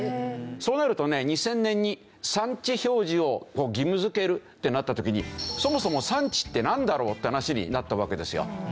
そうなるとね２０００年に産地表示を義務づけるってなった時にそもそも産地ってなんだろう？って話になったわけですよ。